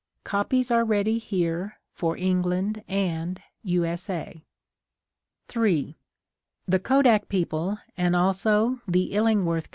Copies are ready here for England and U. S. A. 3. ... The Kodak people and also the Illingworth Co.